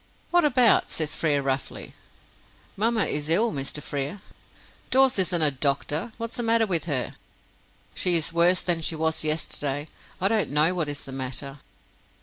"What about?" says Frere roughly. "Mamma is ill, Mr. Frere." "Dawes isn't a doctor. What's the matter with her?" "She is worse than she was yesterday. I don't know what is the matter."